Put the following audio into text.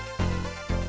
saya harus menghargai